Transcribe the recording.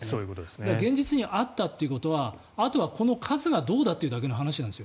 だから現実にあったということはあとは、この数がどうだというだけの話なんです。